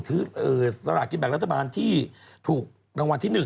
ทึกสละกินแบบรัฐบาลที่ถูกรางวัลทีหนึ่ง